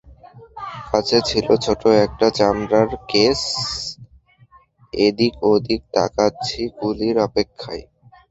কাছে ছিল ছোটো একটা চামড়ার কেস–এদিক ওদিকে তাকাচ্ছি কুলির অপেক্ষায়।